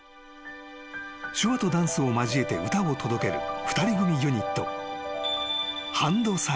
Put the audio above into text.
［手話とダンスを交えて歌を届ける２人組ユニット］